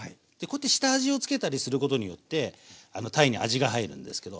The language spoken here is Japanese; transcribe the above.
で下味を付けたりすることによって鯛に味が入るんですけど。